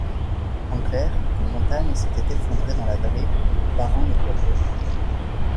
En clair, une montagne s'était effondrée dans la vallée, barrant le cours d'eau.